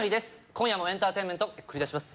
今夜もエンターテイメント繰り出します